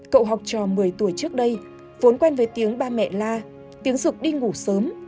cậu học trò một mươi tuổi trước đây vốn quen với tiếng ba mẹ la tiếng rực đi ngủ sớm